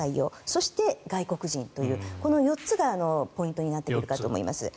そして、外国人というこの４つがポイントになってくるかと思います。